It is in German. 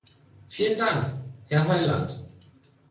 Vielen Dank, Herr Hyland.